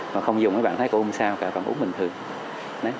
mà không dùng thì mấy bạn thấy cũng không sao cả mấy bạn uống bình thường